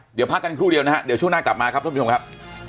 เดี๋ยวพักกันครู่เดียวนะฮะเดี๋ยวช่วงหน้ากลับมาครับท่านผู้ชมครับ